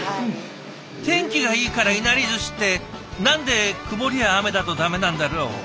天気がいいからいなりずしって何で曇りや雨だとダメなんだろう？